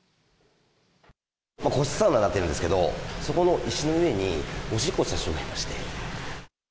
個室サウナになってるんですけど、そこの石の上に、おしっこをしてしまいまして。